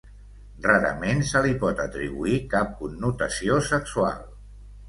Rarament se li pot atribuir cap connotació sexual.